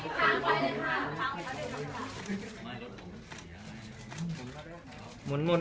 ขอสายตาซ้ายสุดด้วยครับ